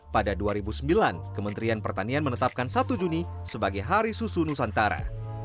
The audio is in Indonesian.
pada dua ribu sembilan kementerian pertanian menetapkan satu juni sebagai hari susu nusantara